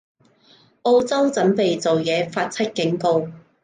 澳洲準備做嘢，發出警告